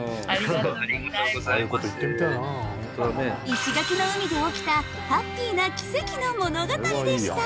石垣の海で起きたハッピーな奇跡の物語でした。